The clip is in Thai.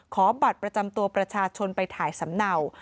ขอบัตรประจำตัวประชาชนไปถ่ายสำเนา